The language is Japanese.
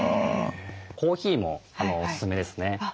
コーヒーもおすすめですね。